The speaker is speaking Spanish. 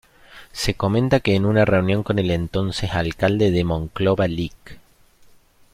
Se comenta que en una reunión con el entonces Alcalde de Monclova Lic.